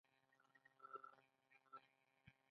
د افغانستان د اقتصادي پرمختګ لپاره پکار ده چې مالیه راټوله شي.